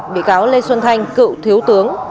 bị cáo lê xuân thanh cựu thiếu tướng